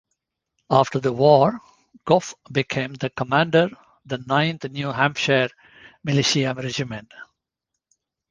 After the war, Goffe became the commander the Ninth New Hampshire Militia Regiment.